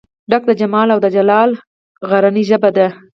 ډکه د جمال او دجلال غرنۍ ژبه ده